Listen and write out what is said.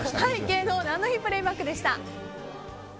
芸能何の日プレイバックでした。